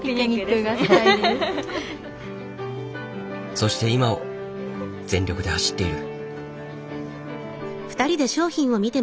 そして今を全力で走っている。